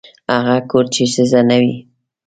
هغه کور کې چې ښځه نه وي.